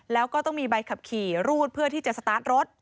แล้วก็ต้องมีใบขับขี่รูดเพื่อที่จะสตาร์ทรถ